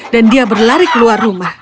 dan dia berlari keluar rumah